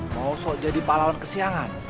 mau sok jadi pahlawan kesiangan